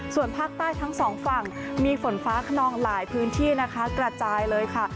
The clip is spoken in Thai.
ส่วนภาคใต้ทั้งสองฝั่งมีฝนฟ้าขนองหลายพื้นที่นะคะกระจายเลยค่ะ